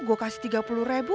gue kasih tiga puluh ribu